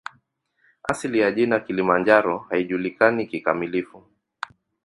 Asili ya jina "Kilimanjaro" haijulikani kikamilifu.